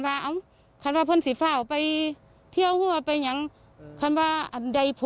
บรรยาที่สุดท้ายท่อนเกิดหิวงทันสุดพอ